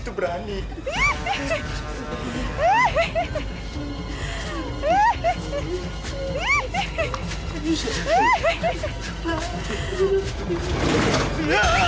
hah berani di